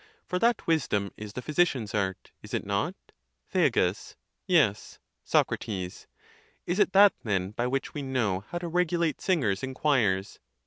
For that wisdom is the physician's art. Is it not? Thea. Yes. Soc. Is it that then, by which we know how to regulate singers in choirs